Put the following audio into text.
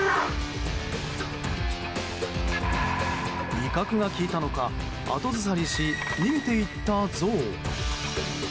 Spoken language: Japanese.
威嚇が効いたのか後ずさりし、逃げていったゾウ。